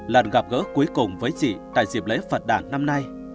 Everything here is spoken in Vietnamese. lần gặp gỡ cuối cùng với chị tại dịp lễ phật đảng năm nay